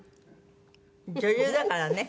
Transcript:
女優だからね。